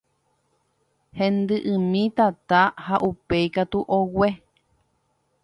Hendy'imi tata ha upéi katu ogue.